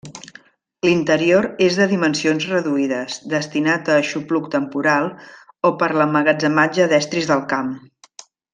L'interior és de dimensions reduïdes, destinat a aixopluc temporal o per l'emmagatzematge d'estris del camp.